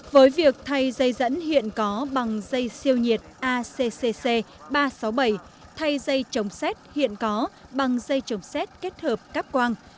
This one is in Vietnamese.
với việc thay dây dẫn hiện có bằng dây siêu nhiệt accccc ba trăm sáu mươi bảy thay dây trồng xét hiện có bằng dây trồng xét kết hợp cáp quang